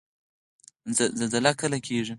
زلزله کله کیږي؟